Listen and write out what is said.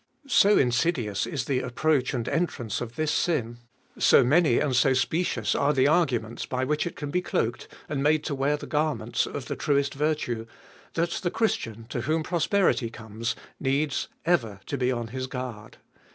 So insidious is the approach and entrance of this sin, so many and specious are the arguments by which it can be cloaked and made to wear the garments of the truest virtue, that the Christian, to whom prosperity comes, needs ever to be on his guard.